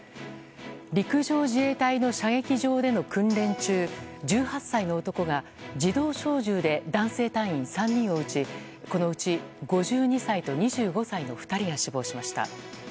陸上自衛隊の射撃場での訓練中１８歳の男が自動小銃で男性隊員３人を撃ちこのうち５２歳と２５歳の２人が死亡しました。